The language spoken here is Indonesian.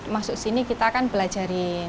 masuk sini kita akan belajarin